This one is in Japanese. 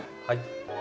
はい。